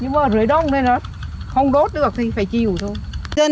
nhưng mà rưới đông này nó không đốt được thì phải chiều thôi